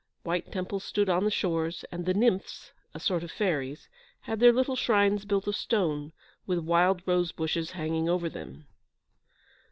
White temples stood on the shores; and the Nymphs, a sort of fairies, had their little shrines built of stone, with wild rose bushes hanging over them.